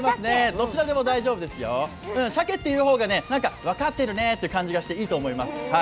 どちらでも大丈夫ですよ、シャケって言う方が分かってるねという感じがして、いいと思います。